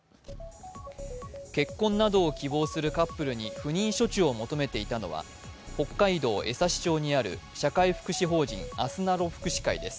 結婚などを希望するカップルに不妊処置を求めていたのは北海道江差町にある社会福祉法人あすなろ福祉会です。